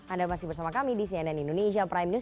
anda masih bersama kami di cnn indonesia prime news